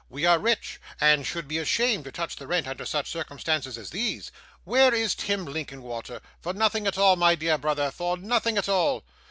'We are rich, and should be ashamed to touch the rent under such circumstances as these. Where is Tim Linkinwater? for nothing at all, my dear brother, for nothing at all.